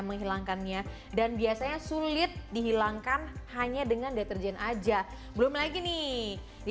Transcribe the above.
menghilangkannya dan biasanya sulit dihilangkan hanya dengan deterjen aja belum lagi nih di